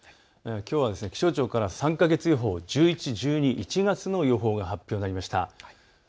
きょうは気象庁から３か月予報、１１、１２、１月の予報が発表されました。